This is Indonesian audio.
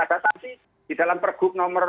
ada sanksi di dalam pergub nomor tujuh puluh sembilan